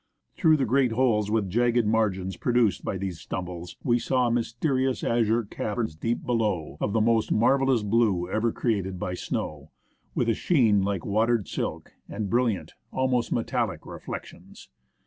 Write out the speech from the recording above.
Through the great holes with jagged margins produced by these stumbles, we saw mysterious azure caverns deep below, of the most marvellous blue ever created by snow, with a sheen like watered silk, and brilliant, almost metallic reflections.